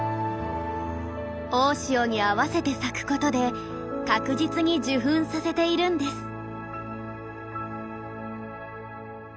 大潮に合わせて咲くことで確実に受粉させているんです。